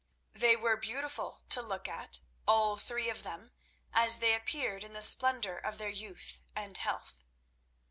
They were beautiful to look at, all three of them, as they appeared in the splendour of their youth and health.